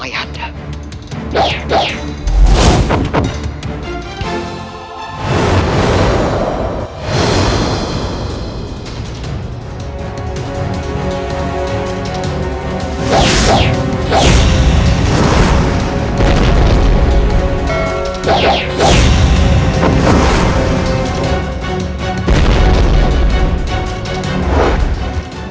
aku akan menang